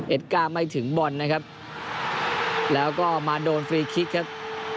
ก้าไม่ถึงบอลนะครับแล้วก็มาโดนฟรีคิกครับ